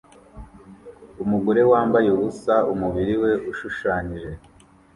Umugore wambaye ubusa umubiri we ushushanyije